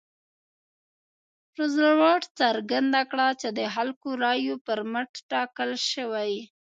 روزولټ څرګنده کړه چې د خلکو رایو پر مټ ټاکل شوی.